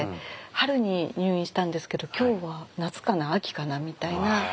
春に入院したんですけど「今日は夏かな秋かな」みたいな。